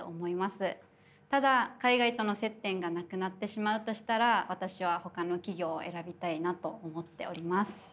ただ海外との接点がなくなってしまうとしたら私はほかの企業を選びたいなと思っております。